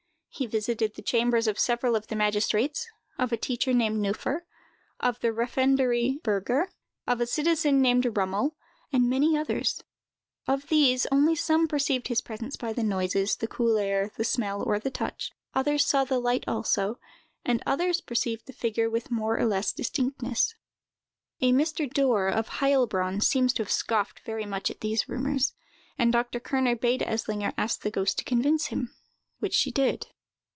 He visited the chambers of several of the magistrates, of a teacher named Neuffer, of the referendary burgher, of a citizen named Rummel, and many others. Of these, some only perceived his presence by the noises, the cool air, the smell, or the touch; others saw the light also, and others perceived the figure with more or less distinctness. A Mr. Dorr, of Heilbronn, seems to have scoffed very much at these rumors, and Dr. Kerner bade Eslinger ask the ghost to convince him, which she did.